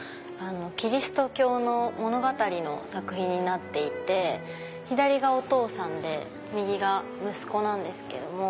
キリスト教の物語の作品になっていて左がお父さんで右が息子なんですけども。